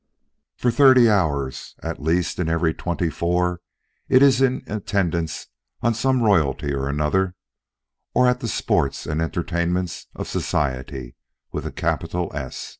For thirty hours at least in every twenty four it is in attendance on some Royalty or another, or at the sports and entertainments of "Society, with a capital S."